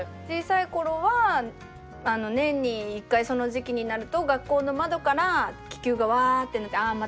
小さい頃はあの年に１回その時期になると学校の窓から気球がワってなってあ